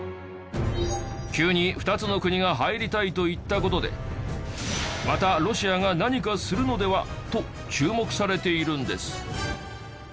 急に２つの国が入りたいと言った事でまたロシアが何かするのでは？と注目されているんです。